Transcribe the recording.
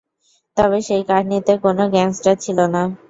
তবে সেই কাহিনীতে কোন গ্যাংস্টার ছিল না।